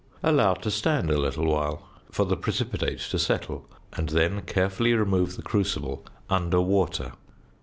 Allow to stand a little while for the precipitate to settle, and then carefully remove the crucible under water.